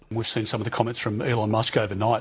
kita telah melihat beberapa komentar dari elon musk pada malam ini